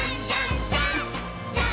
ジャンプ！！」